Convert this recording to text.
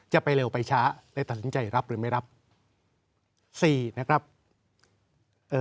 จะไปเร็วไปช้าได้ตัดสินใจรับหรือไม่รับสี่นะครับเอ่อ